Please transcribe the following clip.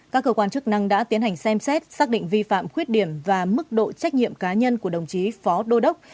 các cơ quan chức năng đã tiến hành xem xét xác định vi phạm khuyết điểm và mức độ trách nhiệm cá nhân của đồng chí phó đô đốc